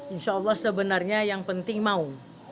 insya allah sebenarnya yang penting mau